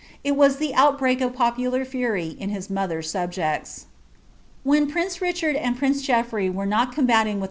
It was the outbreak of popular fury in 's subjects. 1 prtnc« Richard and prince Geoffrey were not combating with